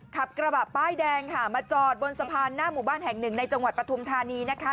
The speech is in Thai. ขับกระบะป้ายแดงค่ะมาจอดบนสะพานหน้าหมู่บ้านแห่งหนึ่งในจังหวัดปฐุมธานีนะคะ